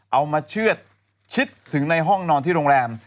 เอามาเชือดข้างน้องที่โรงแรม